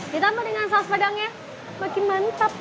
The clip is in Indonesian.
ditambah dengan saus pedangnya makin mantap